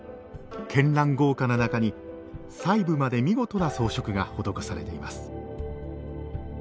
絢爛豪華な中に細部まで見事な装飾が施されています。